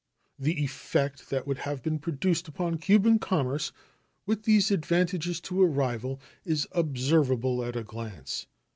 The effect that would have been produced upon Cuban commerce, with these advantages to a rival, is observable at a glance.